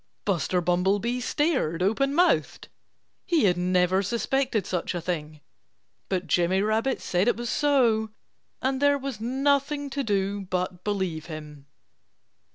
Buster Bumblebee stared open mouthed. He had never suspected such a thing. But Jimmy Rabbit said it was so. And there was nothing to do but believe him.